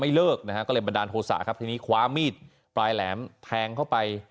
เลิกนะฮะก็เลยบันดาลโทษะครับทีนี้คว้ามีดปลายแหลมแทงเข้าไป